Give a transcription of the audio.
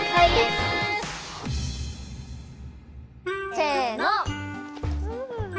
せの！